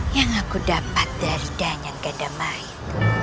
yang aku dapat dari dayan ganda mait